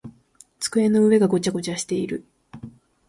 机の上がごちゃごちゃしている。